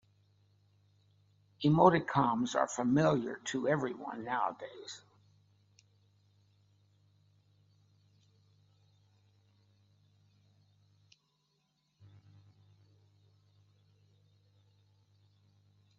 Emoticons are familiar to everyone nowadays.